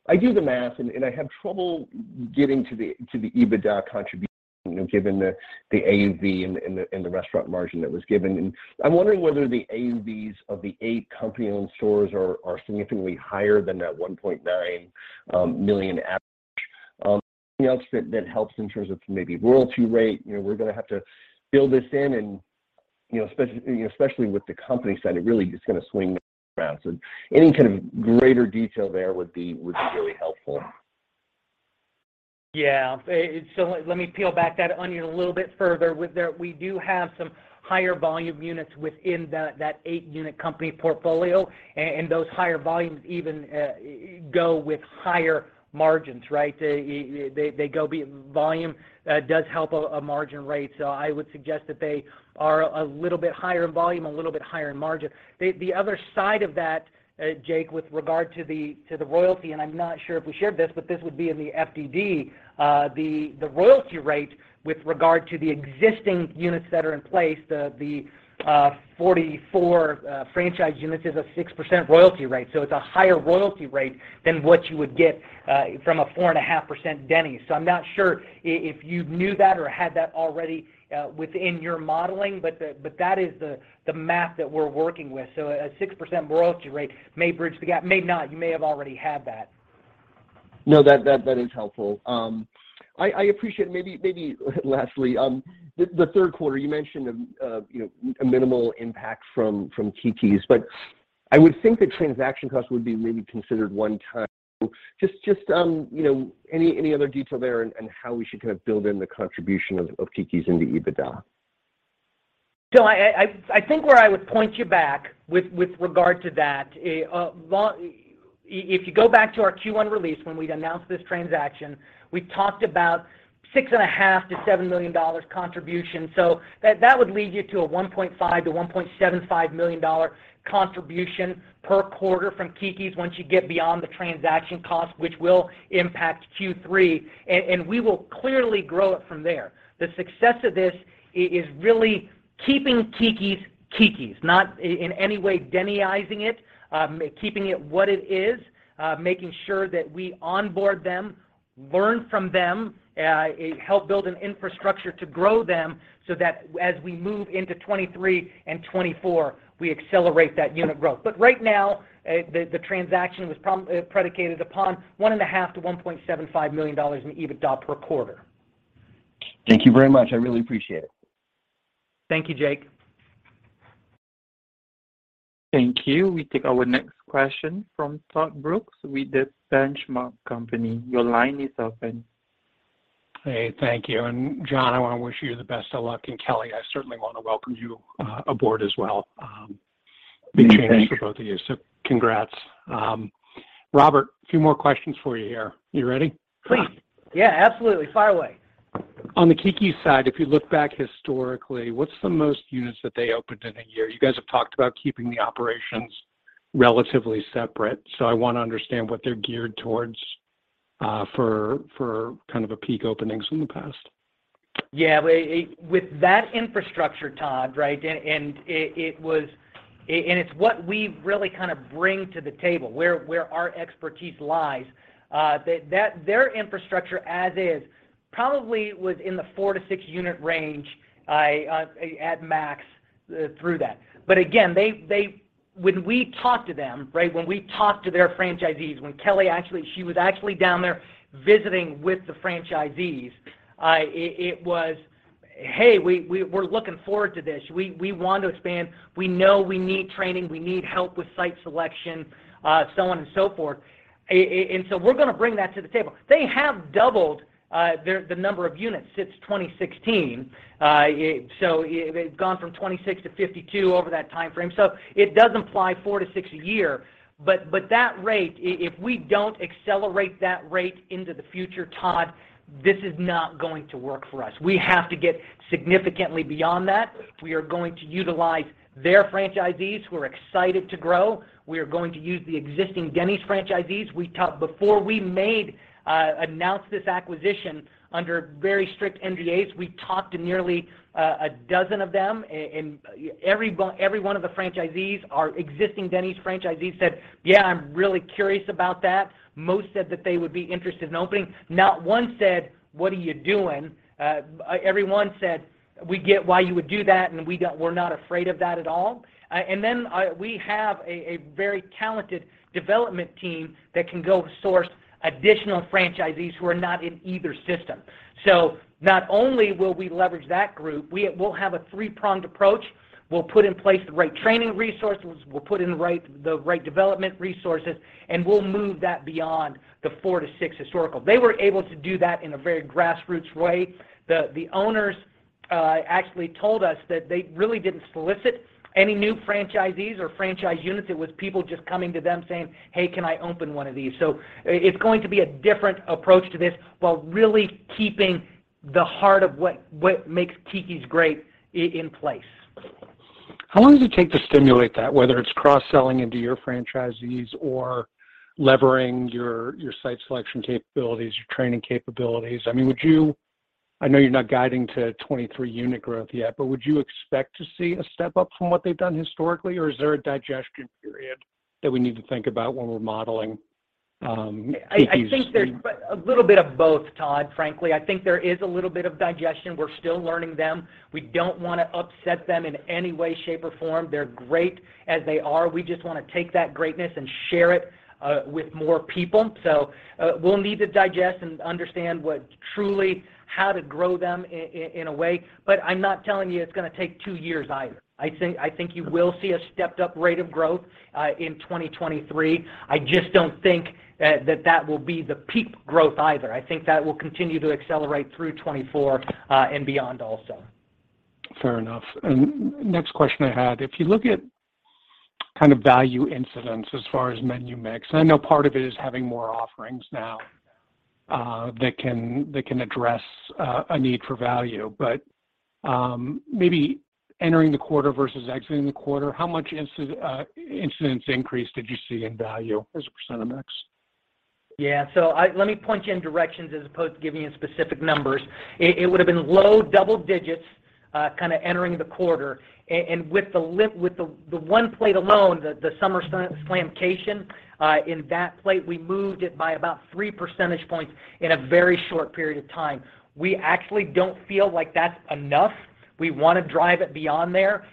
I do the math and I have trouble getting to the EBITDA contribution, you know, given the AUV and the restaurant margin that was given. I'm wondering whether the AUVs of the 8 company-owned stores are significantly higher than that $1.9 million average. Anything else that helps in terms of maybe royalty rate. You know, we're gonna have to build this in and, you know, especially with the company side, it really is gonna swing around. Any kind of greater detail there would be really helpful. Let me peel back that onion a little bit further. With that, we do have some higher volume units within that eight-unit company portfolio. And those higher volumes even go with higher margins, right? Volume does help a margin rate. I would suggest that they are a little bit higher in volume, a little bit higher in margin. The other side of that, Jake, with regard to the royalty, and I'm not sure if we shared this, but this would be in the FDD. The royalty rate with regard to the existing units that are in place, the 44 franchise units is a 6% royalty rate. It's a higher royalty rate than what you would get from a 4.5% Denny's. I'm not sure if you knew that or had that already, within your modeling, but that is the math that we're working with. A 6% royalty rate may bridge the gap, may not, you may have already had that. No, that is helpful. I appreciate maybe lastly the third quarter you mentioned a minimal impact from Keke's. I would think the transaction cost would be maybe considered one time. Just you know any other detail there and how we should kind of build in the contribution of Keke's into EBITDA? I think where I would point you back with regard to that, if you go back to our Q1 release when we'd announced this transaction, we talked about $6.5 million-$7 million contribution. That would lead you to a $1.5 million-$1.75 million contribution per quarter from Keke's once you get beyond the transaction cost, which will impact Q3. We will clearly grow it from there. The success of this is really keeping Keke's, not in any way Denny-izing it, keeping it what it is, making sure that we onboard them, learn from them, help build an infrastructure to grow them so that as we move into 2023 and 2024, we accelerate that unit growth. Right now, the transaction was predicated upon $1.5 million-$1.75 million in EBITDA per quarter. Thank you very much. I really appreciate it. Thank you, Jake. Thank you. We take our next question from Todd Brooks with The Benchmark Company. Your line is open. Hey, thank you. John, I wanna wish you the best of luck, and Kelli, I certainly wanna welcome you aboard as well. Big changes. Thank you. for both of you, so congrats. Robert, a few more questions for you here. You ready? Please. Yeah, absolutely. Fire away. On the Keke's side, if you look back historically, what's the most units that they opened in a year? You guys have talked about keeping the operations relatively separate, so I wanna understand what they're geared towards, for kind of a peak openings in the past. Yeah. With that infrastructure, Todd, right? It was, and it's what we really kinda bring to the table, where our expertise lies, that their infrastructure as is probably was in the 4-6 unit range, at max, through that. They. When we talked to them, right, when we talked to their franchisees, when Kelli actually, she was actually down there visiting with the franchisees, it was, "Hey, we're looking forward to this. We want to expand. We know we need training. We need help with site selection," so on and so forth. We're gonna bring that to the table. They have doubled the number of units since 2016. It's gone from 26-52 over that timeframe. It does imply 4-6 a year, but that rate, if we don't accelerate that rate into the future, Todd, this is not going to work for us. We have to get significantly beyond that. We are going to utilize their franchisees who are excited to grow. We are going to use the existing Denny's franchisees. Before we announced this acquisition, under very strict NDAs, we talked to nearly a dozen of them. Every one of the franchisees, our existing Denny's franchisees said, "Yeah, I'm really curious about that." Most said that they would be interested in opening. Not one said, "What are you doing?" Every one said, "We get why you would do that, and we're not afraid of that at all." We have a very talented development team that can go source additional franchisees who are not in either system. Not only will we leverage that group, we'll have a three-pronged approach. We'll put in place the right training resources, we'll put in the right development resources, and we'll move that beyond the 4-6 historical. They were able to do that in a very grassroots way. The owners actually told us that they really didn't solicit any new franchisees or franchise units. It was people just coming to them saying, "Hey, can I open one of these?" It's going to be a different approach to this while really keeping the heart of what makes Keke's great in place. How long does it take to stimulate that, whether it's cross-selling into your franchisees or leveraging your site selection capabilities, your training capabilities? I mean, I know you're not guiding to 23 unit growth yet, but would you expect to see a step up from what they've done historically? Or is there a digestion period that we need to think about when we're modeling Keke's? I think there's a little bit of both, Todd, frankly. I think there is a little bit of digestion. We're still learning them. We don't wanna upset them in any way, shape, or form. They're great as they are. We just wanna take that greatness and share it with more people. We'll need to digest and understand what truly how to grow them in a way, but I'm not telling you it's gonna take two years either. I think you will see a stepped up rate of growth in 2023. I just don't think that will be the peak growth either. I think that will continue to accelerate through 2024 and beyond also. Fair enough. Next question I had, if you look at kind of value incidence as far as menu mix, I know part of it is having more offerings now, that can address a need for value. Maybe entering the quarter versus exiting the quarter, how much incidence increase did you see in value as a percent of mix? Yeah. Let me point you in directions as opposed to giving you specific numbers. It would have been low double digits entering the quarter. And with the one plate alone, the Summer Slamcation, in that plate, we moved it by about 3 percentage points in a very short period of time. We actually don't feel like that's enough. We wanna drive it beyond there,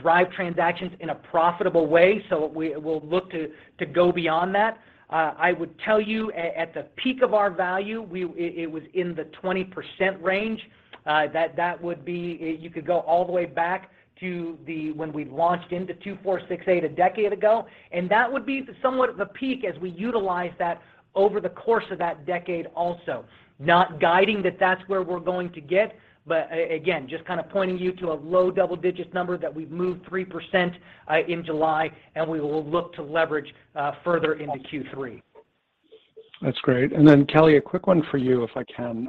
drive transactions in a profitable way. We will look to go beyond that. I would tell you at the peak of our value, it was in the 20% range. That would be. You could go all the way back to when we launched the $2 $4 $6 $8 Value Menu a decade ago, and that would be somewhat of a peak as we utilize that over the course of that decade also. Not guiding that that's where we're going to get, but again, just kinda pointing you to a low double-digit number that we've moved 3% in July, and we will look to leverage further into Q3. That's great. Kelli, a quick one for you, if I can.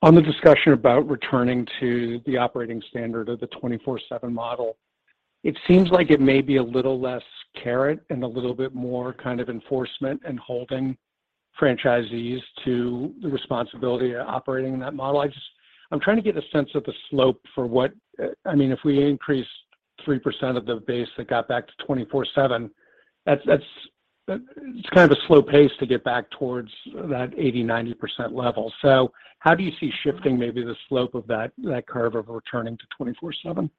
On the discussion about returning to the operating standard of the 24/7 model, it seems like it may be a little less carrot and a little bit more kind of enforcement and holding franchisees to the responsibility of operating in that model. I just I'm trying to get a sense of the slope for what I mean, if we increased 3% of the base that got back to 24/7, that's, it's kind of a slow pace to get back towards that 80-90% level. How do you see shifting maybe the slope of that curve of returning to 24/7?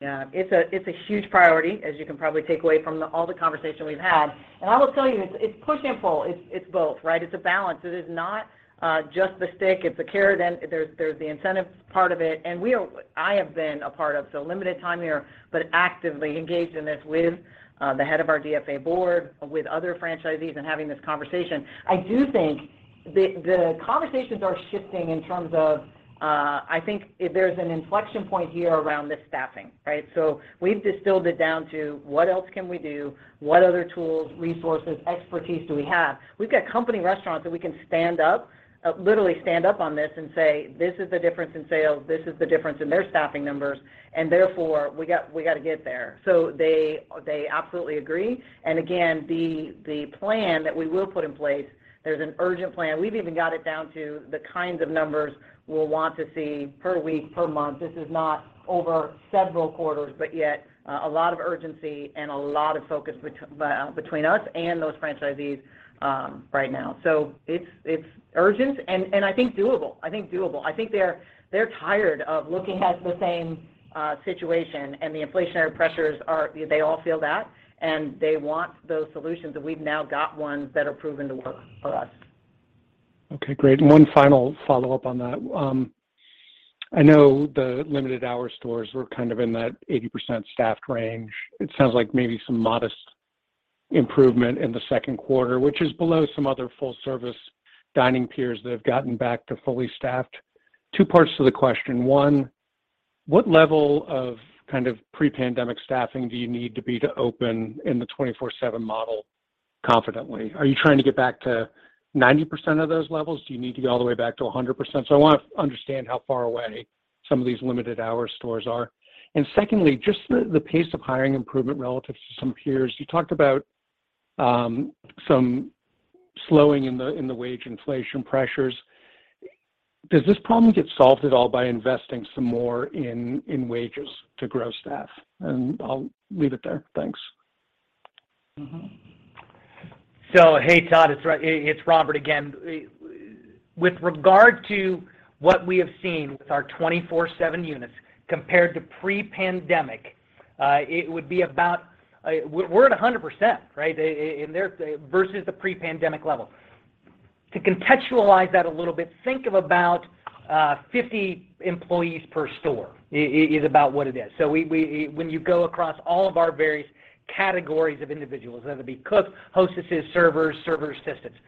Yeah. It's a huge priority, as you can probably take away from all the conversation we've had. I will tell you, it's push and pull. It's both, right? It's a balance. It is not just the stick. It's a carrot and there's the incentive part of it. I have been a part of, so limited time here, but actively engaged in this with the head of our DFA board, with other franchisees and having this conversation. I do think the conversations are shifting in terms of I think there's an inflection point here around the staffing, right? We've distilled it down to what else can we do? What other tools, resources, expertise do we have? We've got company restaurants that we can stand up, literally stand up on this and say, "This is the difference in sales. This is the difference in their staffing numbers. And therefore, we gotta get there." They absolutely agree. Again, the plan that we will put in place, there's an urgent plan. We've even got it down to the kinds of numbers we'll want to see per week, per month. This is not over several quarters, but yet, a lot of urgency and a lot of focus between us and those franchisees right now. It's urgent and I think doable. I think they're tired of looking at the same situation, and the inflationary pressures are They all feel that, and they want those solutions, and we've now got ones that are proven to work for us. Okay, great. One final follow-up on that. I know the limited hour stores were kind of in that 80% staffed range. It sounds like maybe some modest improvement in the second quarter, which is below some other full service dining peers that have gotten back to fully staffed. Two parts to the question. One, what level of kind of pre-pandemic staffing do you need to be to open in the 24/7 model confidently? Are you trying to get back to 90% of those levels? Do you need to get all the way back to 100%? I wanna understand how far away some of these limited hour stores are. Secondly, just the pace of hiring improvement relative to some peers. You talked about some slowing in the wage inflation pressures. Does this problem get solved at all by investing some more in wages to grow staff? I'll leave it there. Thanks. Mm-hmm. Hey, Todd, it's Robert again. With regard to what we have seen with our 24/7 units compared to pre-pandemic, it would be about. We're at 100%, right? Versus the pre-pandemic level. To contextualize that a little bit, think of about 50 employees per store is about what it is. When you go across all of our various categories of individuals, whether it be cooks, hostesses, servers, server assistants.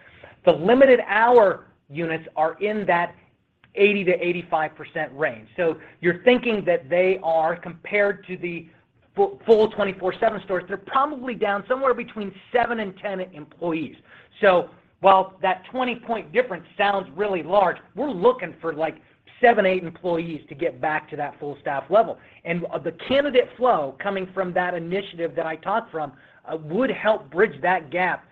The limited hour units are in that 80%-85% range. You're thinking that they are compared to the full 24/7 stores, they're probably down somewhere between 7 and 10 employees. While that 20-point difference sounds really large, we're looking for like 7, 8 employees to get back to that full staff level. The candidate flow coming from that initiative that I talked about would help bridge that gap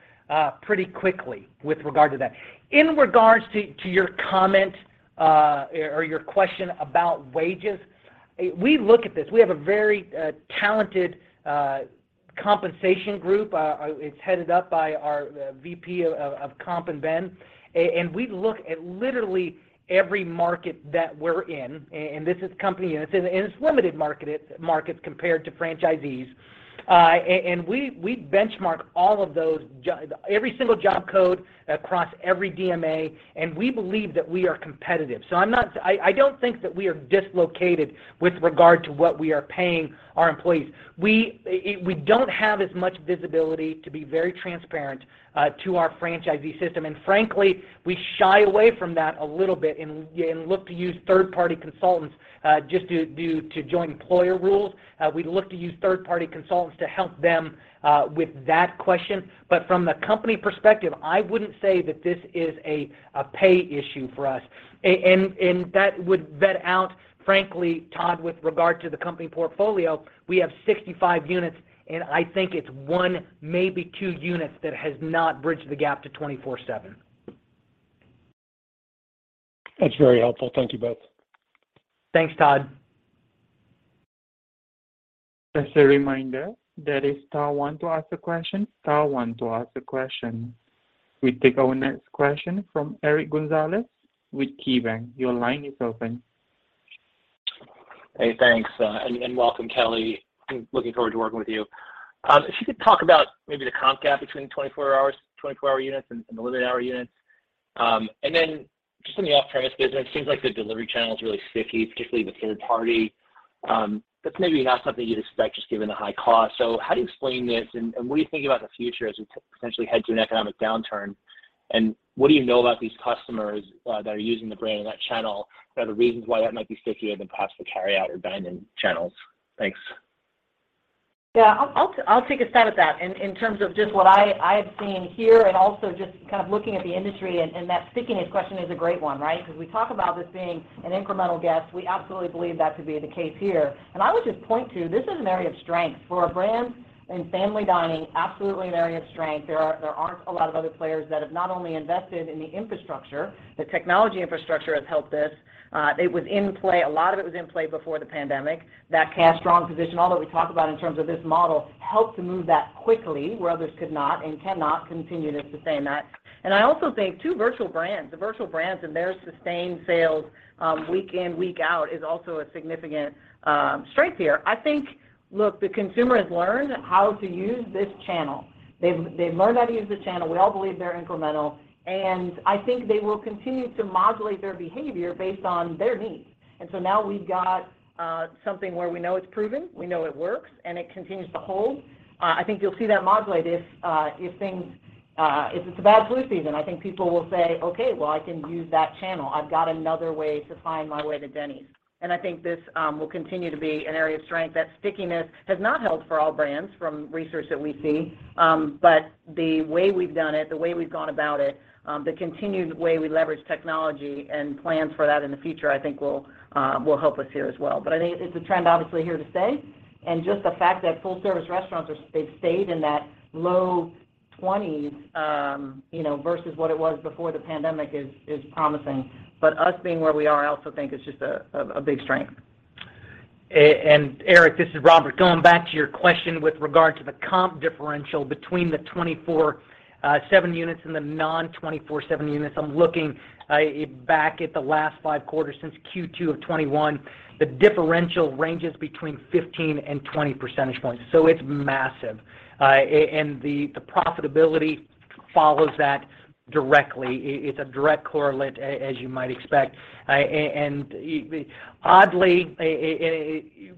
pretty quickly with regard to that. In regard to your comment or your question about wages, we look at this. We have a very talented compensation group, it's headed up by our VP of comp & ben. We look at literally every market that we're in, this is company, and it's limited markets compared to franchisees. We benchmark every single job code across every DMA, and we believe that we are competitive. I don't think that we are dislocated with regard to what we are paying our employees. We don't have as much visibility to be very transparent to our franchisee system. Frankly, we shy away from that a little bit and look to use third-party consultants just due to joint employer rules. We look to use third-party consultants to help them with that question. From the company perspective, I wouldn't say that this is a pay issue for us. That would vet out, frankly, Todd, with regard to the company portfolio. We have 65 units, and I think it's one, maybe two units that has not bridged the gap to 24/7. That's very helpful. Thank you both. Thanks, Todd. Just a reminder, that is star 1 to ask a question, star 1 to ask a question. We take our next question from Eric Gonzalez with KeyBanc Capital Markets. Your line is open. Hey, thanks. Welcome, Kelli Valade. I'm looking forward to working with you. If you could talk about maybe the comp gap between 24-hour units and the limited-hour units. Then just in the off-premise business, it seems like the delivery channel is really sticky, particularly the third party. That's maybe not something you'd expect just given the high cost. So how do you explain this, and what are you thinking about the future as we potentially head to an economic downturn? What do you know about these customers that are using the brand and that channel that are reasons why that might be stickier than possibly carry out or dine-in channels? Thanks. Yeah. I'll take a stab at that in terms of just what I've seen here and also just kind of looking at the industry and that stickiness question is a great one, right? Because we talk about this being an incremental guest. We absolutely believe that to be the case here. I would just point to this is an area of strength. For a brand in family dining, absolutely an area of strength. There aren't a lot of other players that have not only invested in the infrastructure. The technology infrastructure has helped us. It was in play. A lot of it was in play before the pandemic. That cash-strong position, all that we talk about in terms of this model, helped to move that quickly where others could not and cannot continue to sustain that. I also think too, virtual brands. The virtual brands and their sustained sales, week in, week out, is also a significant strength here. I think, look, the consumer has learned how to use this channel. They've learned how to use the channel. We all believe they're incremental, and I think they will continue to modulate their behavior based on their needs. Now we've got something where we know it's proven, we know it works, and it continues to hold. I think you'll see that modulate if it's a bad flu season. I think people will say, "Okay, well, I can use that channel. I've got another way to find my way to Denny's." I think this will continue to be an area of strength. That stickiness has not held for all brands from research that we see. The way we've done it, the way we've gone about it, the continued way we leverage technology and plans for that in the future, I think will help us here as well. I think it's a trend obviously here to stay. Just the fact that full-service restaurants they've stayed in that low twenties versus what it was before the pandemic is promising. Us being where we are, I also think is just a big strength. Eric, this is Robert. Going back to your question with regard to the comp differential between the 24/7 units and the non-24/7 units. I'm looking back at the last 5 quarters since Q2 of 2021. The differential ranges between 15-20 percentage points, so it's massive. The profitability follows that directly. It's a direct correlate as you might expect. Oddly,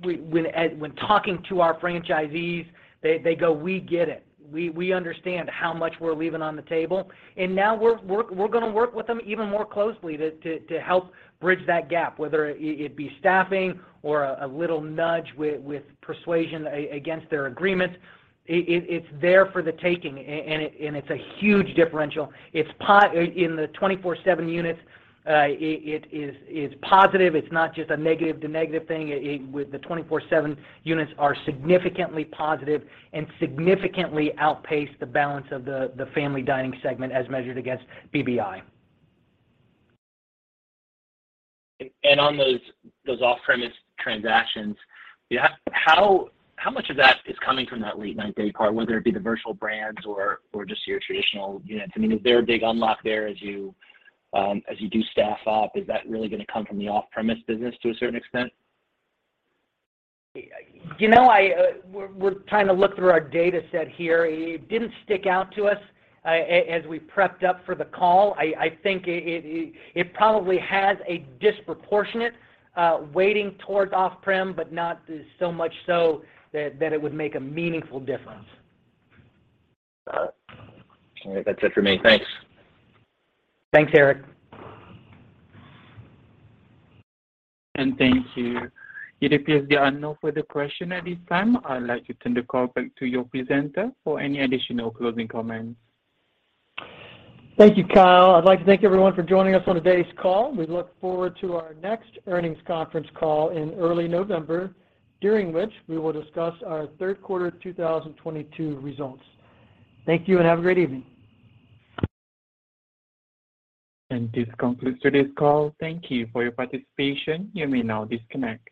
when talking to our franchisees, they go, "We get it. We understand how much we're leaving on the table." Now we're gonna work with them even more closely to help bridge that gap, whether it'd be staffing or a little nudge with persuasion against their agreements. It's there for the taking and it's a huge differential. In the 24/7 units, it is positive. It's not just a negative to negative thing. The 24/7 units are significantly positive and significantly outpace the balance of the family dining segment as measured against BBI. On those off-premise transactions, how much of that is coming from that late night day part, whether it be the virtual brands or just your traditional units? I mean, is there a big unlock there as you do staff up? Is that really gonna come from the off-premise business to a certain extent? You know, we're trying to look through our data set here. It didn't stick out to us as we prepped up for the call. I think it probably has a disproportionate weighting towards off-prem, but not so much so that it would make a meaningful difference. All right. That's it for me. Thanks. Thanks, Eric. Thank you. It appears there are no further questions at this time. I'd like to turn the call back to your presenter for any additional closing comments. Thank you, Kyle. I'd like to thank everyone for joining us on today's call. We look forward to our next earnings conference call in early November, during which we will discuss our Third Quarter 2022 Results. Thank you and have a great evening. This concludes today's call. Thank you for your participation. You may now disconnect.